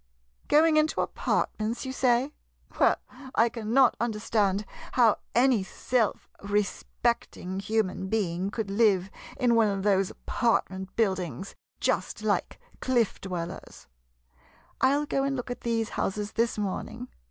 Going into apart ments, you say? Well, I cannot understand how any self respecting human being could live in one of those apartment buildings, just like cliff dwellers ! I '11 go and look at these houses this morning.